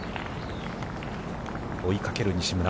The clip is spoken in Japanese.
追いかける西村。